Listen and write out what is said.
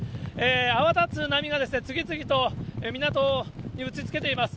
泡立つ波が次々と港に打ちつけています。